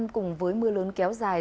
cùng với mưa lớn kéo dài